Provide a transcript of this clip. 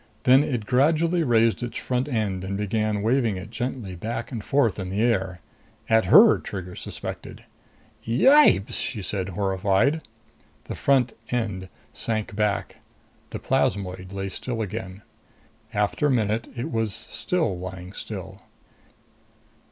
Then it gradually raised its front end and began waving it gently back and forth in the air. At her, Trigger suspected. "Yipes!" she said, horrified. The front end sank back. The plasmoid lay still again. After a minute it was still lying still.